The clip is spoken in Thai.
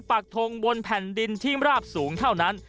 ปากทงบนแผ่นดินที่ราบสูงเท่านั้น